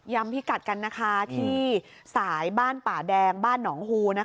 ย้ำพี่กัดกันที่สายบ้านป่าแดงบ้านหนองฮู